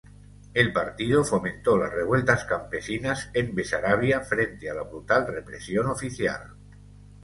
El partido fomentó las revueltas campesinas en Besarabia frente a la brutal represión oficial.